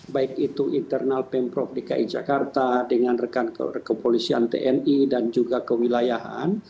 baik itu internal pemprov dki jakarta dengan rekan kepolisian tni dan juga kewilayahan